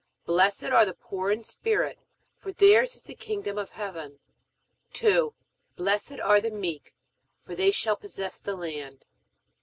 Blessed are the poor in spirit, for theirs is the kingdom of heaven. 2. Blessed are the meek, for they shall possess the land.